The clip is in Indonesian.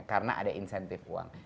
karena ada insentif uang